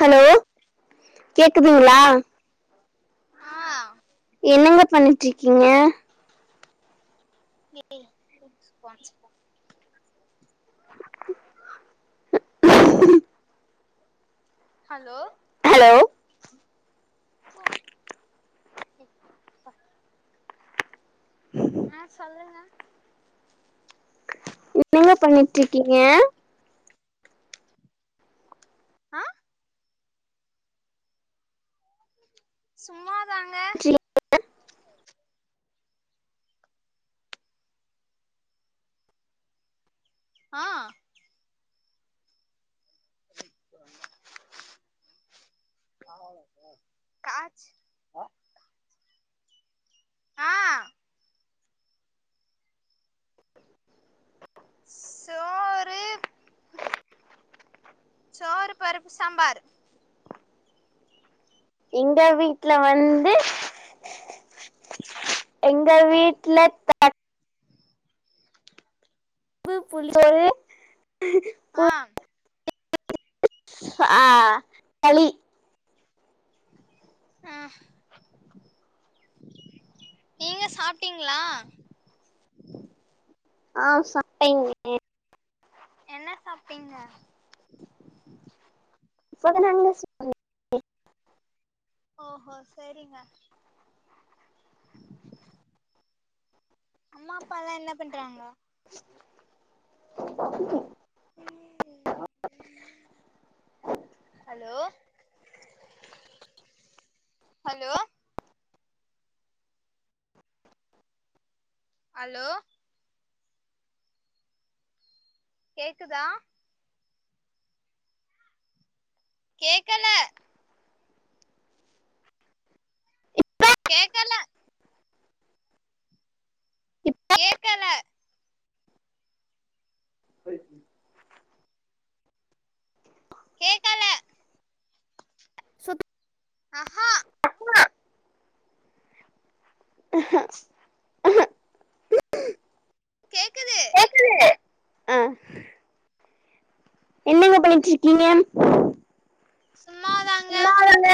hello கேக்குதுங்ளா ஆ என்னெங்க பண்ணிட்டு இருக்கீங்க ஏ லெட்ஸ் ஒன்ஸ் ஹலோ ஹலோ ஆ ஆ சொல்லுங்க [inaudible] என்னங்க பண்ணிட்டு இருக்கீங்க ஆ சும்மாதாங் ஆ [unintelligible] காச் ஆ சோ சோறு பருப்பு சாம்பார் எங்க வீட்ல வந்து எங்க வீட்ல தட் ப்பு புளிசோறு பு ஆ ஆ களி ஆ நீங்க சாப்ட்டீங்ளா ஆ சாப்டேங்க என்ன சாப்டிங்க சுடு தண்ணி சொ ஓஹோ சரிங்க அம்மா அப்பாலா என்ன பண்றாங்க [inaudible] ஹலோ ஹலோ ஹலோ கேக்குதா கேக்கல கேக்கல கேக்கல [inaudible] கேக்கல ஆஹா [inaudible] கேக்குது பேக்குது ஆ என்னங்க பண்ணிட்டு இருக்கீங்க சும்மாதாங்க சும்மாதாங்க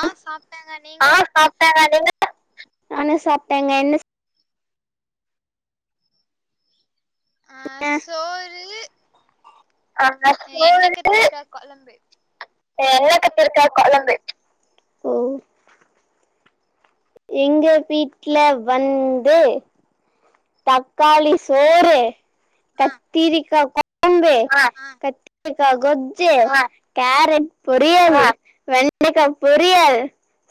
ஆ சாப்பிட்டாங்க நீங்க ஆ சாப்டேங்க நீங்க நானு சாப்டேங்க என்ன அ சோறு ஆ சோறு எண்ண கத்திரிக்கா கொழம்பு எண்ண கத்திரிக்கா கொழம்பு ஓ எங்க வீட்ல வந்து தக்காளி சோறு ஆ கத்திரக்கா கொழம்பு ஆ கத்ரிக்கா கொஜ்ஜி ஆ ஆ கேரட் பொரியல் வெண்டக்கா பொரியல்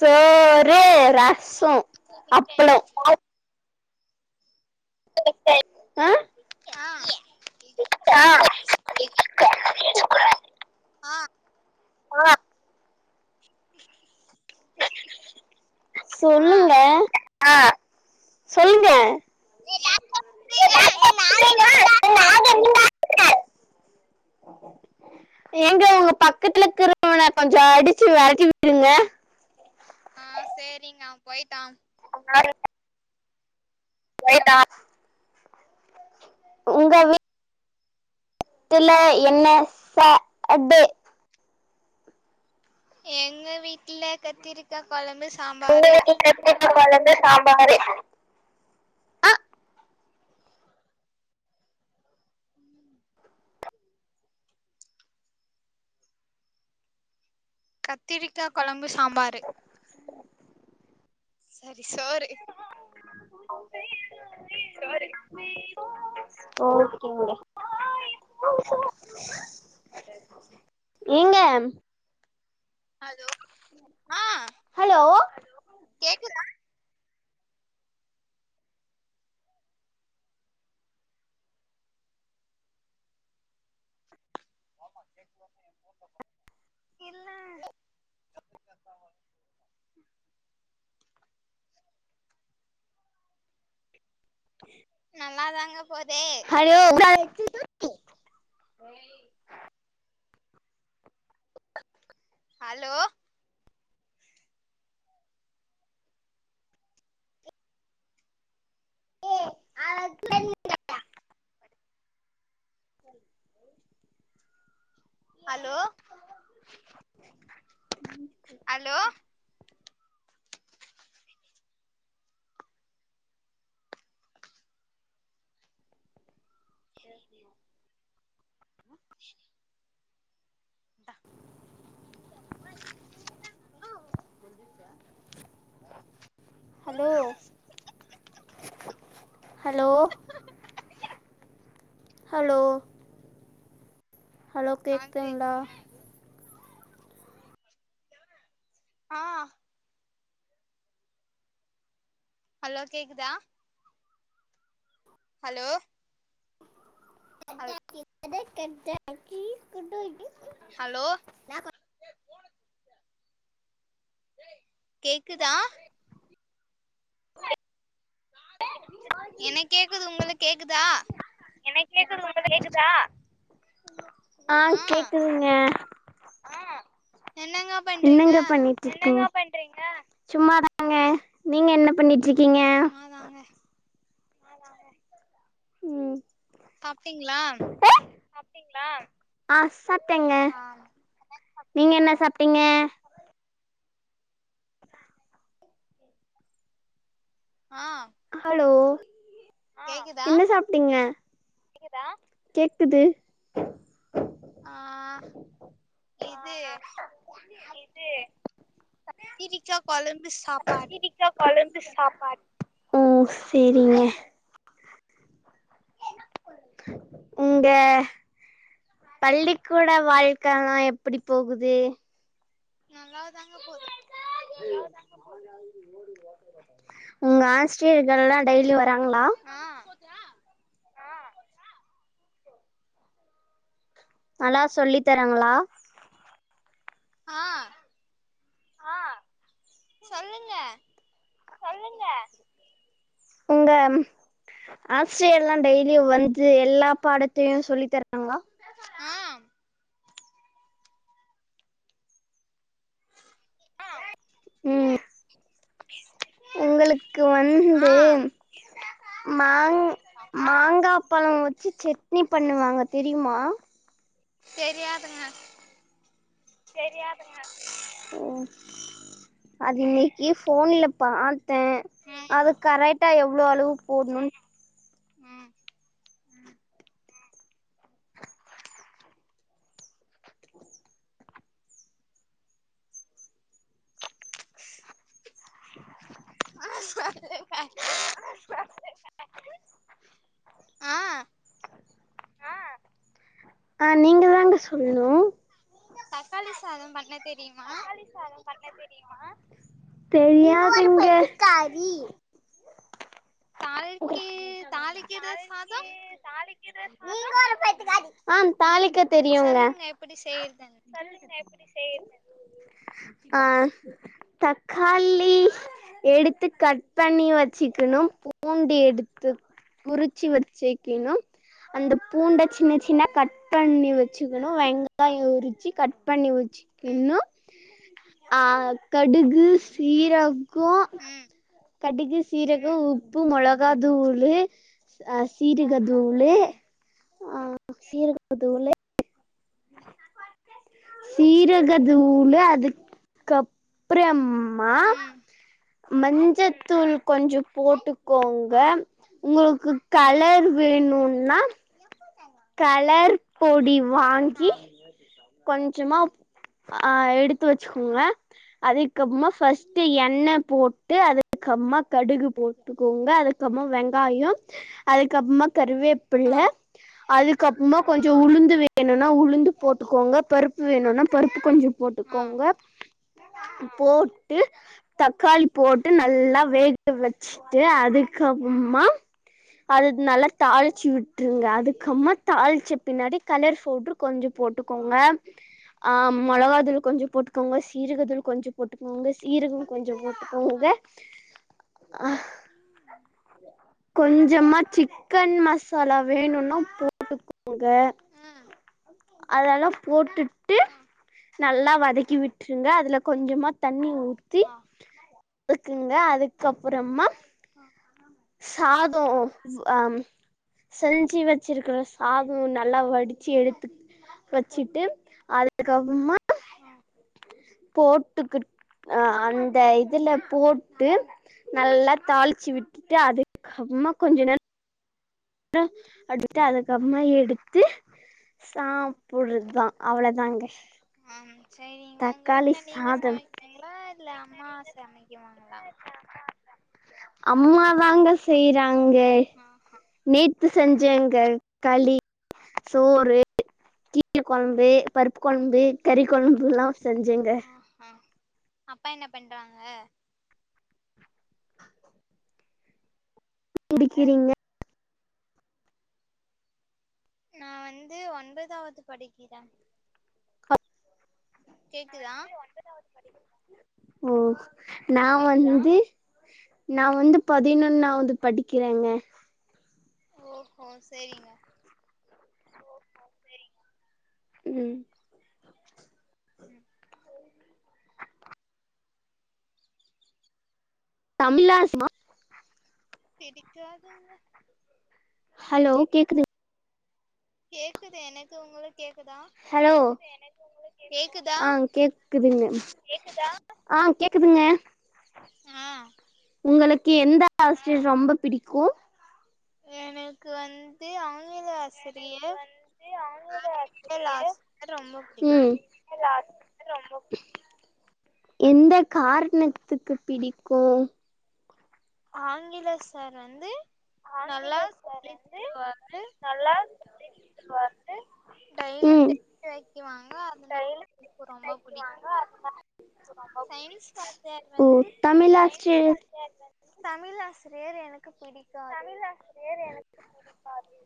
சோறு ரசோ அப்பளோ [inaudible] ஆ ஆ [unintelligible] பேசக்கூடாது ஆ ஆ சொல்லுங்க ஆ சொல்லுங்கோ எ [unintelligible] ஏ நாயே நீதான்டா ஏங்க உங்க பக்த்துலகுறவன கொஞ்சோ அடிச்சு வெறட்டி விட்டுடுங்க ஆ செரிங்க அவன் போய்ட்டான் [unintelligible] போய்ட்டான் உங்க [unintelligible] வீட்டுல என்ன ச அது எங்க வீட்டுல கத்திருக்கா கொழம்பு சாம்பாரு கத்ரிக்கா கொழம்பு சாம்பாரு கத்திரிக்கா கொழம்பு சாம்பாரு சரி சோறு [inaudible] சோறு [inaudible] ஓகேங்க ஏங்க ஹலோ ஆ ஹலோ கேக்குதா இல்ல நல்லாதாங்க போது ஹலோ ஹலோ [inaudible] [inaudible] ஹலோ ஹலோ [inaudible] அ இந்தா [inaudible] ஹலோ ஹலோ ஹலோ ஹலோ ஆ கேக்துங்ளா கேக்குதுங்க ஆ ஹலோ கேக்குதா ஹலோ ஹல் [inaudible] ஹலோ கேக்குதா எனக் கேக்குது உங்களுக் கேக்குதா கேக்குது உங்களுக் கேக்குதா ஆ கேக்குதுங்க என்னங்கப் என்னங்க பண்ணீட்ருக்கீங்க சும்மாதாங்க நீங்க என்ன பண்ணிட் ருக்கீங்க சும்மாதாங்க ம் சாப்டீங்ளா ஆ சாப்டேங்க ஆ நீங்க என்ன சாப்டீங்க ஆ ஹலோ கேக்குதா என்ன சாப்டீங்க கேக்குது ஆ இது இது கத்திரிச்சா கொலம்பு சாப்பாடு ம் சேரிங்க உங்க பள்ளி கூட வாழ்க்கலா எப்டி போகுது நல்லா தாங்க போது நல்லா தாங்க போது உங்க ஆஸ்ரிர்கள்லா டெய்லி வராங்ளா ஆ நல்லா சொல்லி தராங்ளா ஆ ஆ சொல்லுங்க உங்க ம் ஆஸ்ரியர்லா டெய்லி வந்து எல்லா பாடத்தியு சொல்லி தரு வாங்ளா ஆம் ம் உங்குளுக்கு ஆ வந்து மாங் ஆ மாங்கா பழோ வெச்சு செட்னி பண்ணுவாங்க தெரியுமா தெரியாதுங்க ம் அது இன்னிக்கி ஃபோன்ல பாத் தே ம் அது கரட்டா எவ்ளோ அளுவு போட்ணுன் ம் சொல்லுங்க ஆ ஆ நீங்க தாங்க சொல்ணோ தக்காளி சாதோ பண்ண தெரியுமா தெரியாதுங்க தாளிக்கி தாளிக்கிற சாதம் ஆம் தாளிக்க தெரியுங்க சொல்லுங்க எப்டி செய்யறதுன்னு ஆ தக்காளி எடுத்து கட் பண்ணி வெச்சுக்குணு பூண்டி எடுத்து உறிச்சி ம் வெச்சிக்கினும் அந்த பூண்ட சின்ன சின்ன கட் பண்ணி வெச்சுக்கணு வெங்காயோ உரிச்சி கட் பண்ணி வெச் ம் சிக்குன்னு ஆ கடுகு சீரகோ ம் கடுகு சீரகோ உப்பு மொளகா தூளு ம் அ சீரகதூளு ம் ஆ சீரக தூளு சீரக தூளு அதுக்கப்றமா ம் மஞ்சத்தூள் கொஞ்சோ போட்டுக்கோங்க ஆ உங்களுக்கு கலர் வேணுனா கலர் பொடி ஆ வாங்கி கொஞ்சமா அ எடுத்து எடுத்து ஆ வெச்சுக்கோங்க அது க்கப்பமா ஃபர்ஸ்ட்டு எண்ணெ போட்டு அதுக்கம்மா கடுகு போட்டுக்கோங்க அது அதுக்கப்பப்மா வெங்காயோ அதுக்கப்புமா கருவேப்பில்ல ஆ அதுக்கப்புமா கொஞ்சோ உளுந்து வேணுனா உளுந்து போட்டுக்கோங்க பருப்பு வேணுனா பருப்பு கொஞ்சோ ஆ போட்டுக்கோங்க போட்டு தக்காளி போட்டு நல்லா வேக வெச்சுட்டு அதுக்கப்புறமா அது நல்லா தாளிச்சு விட்டுருங்க அதுக்கு அதுக்கம்மா தாளிச்ச பின்னாடி கலர் ஃபவ்டுரு கொஞ்சோ ஆ போட்டுக்கோங்க அ மொளகா தூள் கொஞ்சோ போட்டுக்கோங்க சீரக தூள் கொஞ்சோ போட்டுக்கோங்க சீரகோ கொஞ்சோ போட்டு போட்டுகோங்க ஹ ம் கொஞ்சமா சிக்கன் மசாலா வேணுனா போட்டுக்கோங்க ம் அதெல்லா போட்டுட்டு ஆ நல்லா வதக்கி விட்டுருங்க அதுல கொஞ்சமா தண்ணி ஊ ஆ த்துங்க அதுக்கப்புறமா ஆ சாதம் ஆம் செஞ்சி வச்சிருக்குற சாதம் நல்லா வடிச்சி எடுத்து வச்சிட்டு அதுக்கப்புறமா ஆ போட்டுக்கிட் அ அந்த இதுல போட்டு நல்லா தாளிச்சி விட் டு அதுக்கப்புறமா கொஞ்ச நேர ம் அடுத்து அதுக்கப்புறமா எடுத்து ஆ சாப்புறது தான் அவ்ள தாங்க ஆம் சேரிங்க ஒங்க வீட்ல நீங்க சாதம் சமைப்பீங்ளா இல்ல அம்மா சமைக்குவாங்களா அம்மா தாங்க செய்றாங்க ஆ ஹ நேத்து செஞ்சங்க களி சோறு கீரை கொழம்பு பருப்பு கொழம்பு கறி கொழம்பு எல்லாம் செஞ்சேங்க ஆ அப்பா என்ன பண்றாங்க புடிக்கிறீங்க நா வந்து ஒன்பதாவது படிக்கிறேன் அ கேக்குதா ஓ நா வந்து நா வந்து பதினொன்னாவது படிக்கிறேங்க ஓஹோ சேரிங்க ம் ம் தமிழா ஸ்சமா பிடிக்காதுங்க ஹலோ கேக்குதுங் கேக்குது எனக்கு உங்களுக்கு கேக்குதா ஹலோ கேக்குதா ஆ கேக்குதுங்க, ஆ கேக்குதுங்க ஆ உங்களுக்கு எந்த ஆஸ்ரியர் ரொம்ப பிடிக்கோம் எனக்கு வந்து ஆங்கில ஆஸ் சிறிய ஆங்கில ஆஸ்ரிய ரொம்ப பிடிக்கு ஆங்கில ஆஸ்ரியர் ரொம்ப பிடிக்கு எந்த காரணத்துக்கு பிடிக்கு ஆங்கில சார் வந்து ஆங்கில நல்லா சார் சொல்லி வந்து தருவாரு நல்லா வந்து தெளிவா வந்து டைல [unintelligible] வாங்க அதனால ரொம்ப பிடிக்கு சயின்ஸ் வாத்தியாரு வந்து லாஸ்டு தமிழ் ஆசிரியர் எனக்கு பிடிக் தமிழ் ஆஸ்ரியர் எனக் க்காது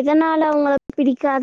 எதனால உங்ளுக்கு பிடிக்காது